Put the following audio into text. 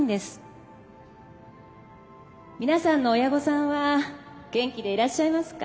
皆さんの親御さんは元気でいらっしゃいますか？